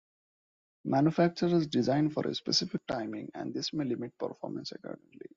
Manufacturers design for a specific timing and this may limit performance accordingly.